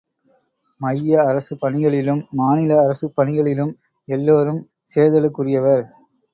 மைய அரசு பணிகளிலும் மாநில அரசுப் பணிகளிலும் எல்லோரும் சேர்தலுக்குரியவர்.